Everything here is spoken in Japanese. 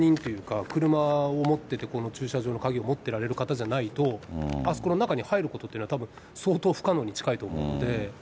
だからたぶん、僕が思うにですけど、やっぱりこの住人というか、車を持ってて、この駐車場の鍵を持ってられる方じゃないと、あそこの中に入ることって、たぶん相当不可能に近いと思うので。